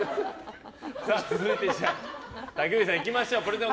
続いてたきうえさん、いきましょう。